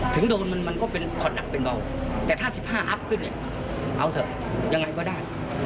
ถึงโดนมันก็เป็นพอหนักเป็นเบาแต่ถ้า๑๕อัพขึ้นเนี่ยเอาเถอะยังไงก็ได้